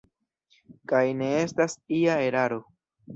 Kaj ne estas ia eraro.